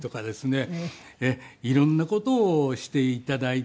色んな事をして頂いて。